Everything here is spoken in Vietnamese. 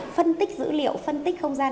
phân tích dữ liệu phân tích không gian